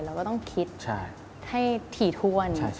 เราก็ต้องคิดให้ถี่ถ้วน